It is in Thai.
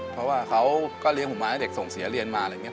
เพราะว่าเขาก็เลี้ยงผมมาให้เด็กส่งเสียเรียนมาอะไรอย่างนี้